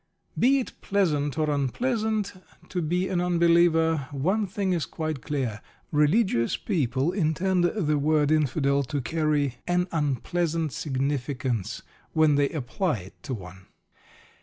Be it pleasant or unpleasant to be an unbeliever, one thing is quite clear: religious people intend the word Infidel to carry "an unpleasant significance" when they apply to it one.